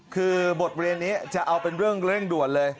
คือบทเรียนนี้จะเอาเป็นเรื่องเร่งด่วนเลย